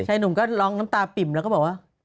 หนุ่มก็ร้องน้ำตาปิ่มแล้วก็บอกว่า